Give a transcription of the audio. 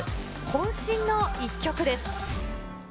こん身の一曲です。